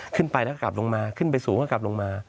ขึ้นไปแล้วก็กลับลงมาขึ้นไปสูงก็กลับลงมา